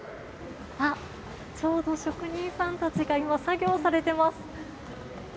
ちょうど職人さんたちが今、作業されています。